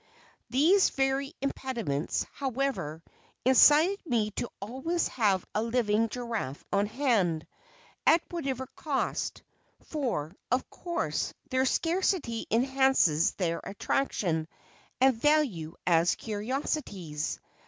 These very impediments, however, incited me to always have a living Giraffe on hand, at whatever cost for, of course, their scarcity enhances their attraction and value as curiosities.